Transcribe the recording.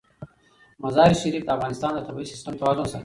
مزارشریف د افغانستان د طبعي سیسټم توازن ساتي.